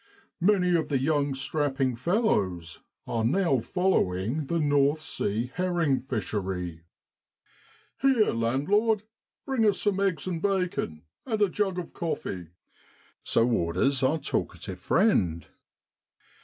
Many of the young strapping fellows are now following the North Sea herring fishery. ' Here, landlord, bring us some eggs and bacon, and a jug of coffee.' So orders our talkative friend.